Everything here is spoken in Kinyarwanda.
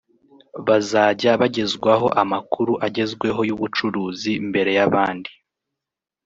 bazajya bagezwaho amakuru agezweho y’ubucuruzi mbere y’abandi